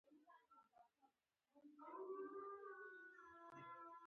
څنګ ته مې سیټ خالي و.